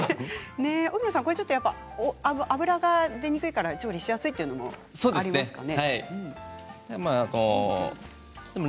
油が出にくいから調理しやすいというのもありますかね。